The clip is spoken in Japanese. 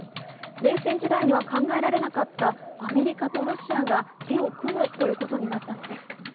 冷戦時代には考えられなかったアメリカとロシアが手を組むということになったのです。